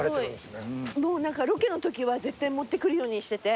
もうロケのときは絶対持ってくるようにしてて。